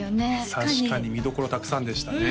確かに見どころたくさんでしたね